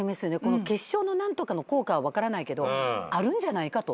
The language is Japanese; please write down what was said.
血漿の何とかの効果は分からないけどあるんじゃないかと。